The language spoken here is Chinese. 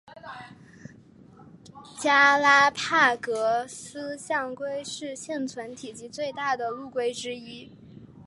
加拉帕戈斯象龟是现存体型最大的陆龟之一。